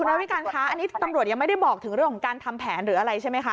ระวิการคะอันนี้ตำรวจยังไม่ได้บอกถึงเรื่องของการทำแผนหรืออะไรใช่ไหมคะ